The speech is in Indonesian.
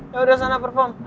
yaudah sana perform